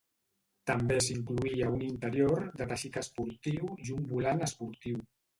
També s'incloïa un interior de teixit esportiu i un volant esportiu.